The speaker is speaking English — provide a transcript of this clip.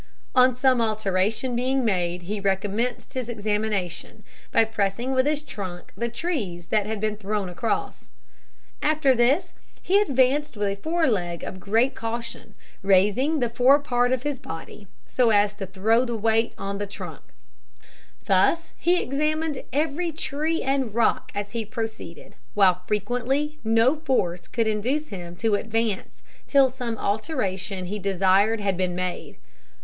On some alteration being made he recommenced his examination, by pressing with his trunk the trees that had been thrown across. After this he advanced a fore leg with great caution, raising the fore part of his body so as to throw the weight on the trunk. Thus he examined every tree and rock as he proceeded, while frequently no force could induce him to advance till some alteration he desired had been made.